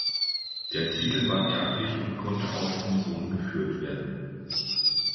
Der Titel war erblich und konnte auch vom Sohn geführt werden.